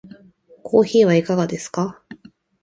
コーヒーはいかがですか？